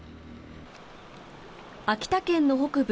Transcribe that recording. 秋田県の北部